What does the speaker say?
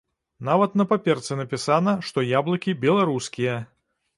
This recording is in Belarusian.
Нават на паперцы напісана, што яблыкі беларускія!